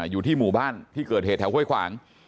อยู่ที่หมู่บ้านที่เกิดเหตุแถวห้วยขวาง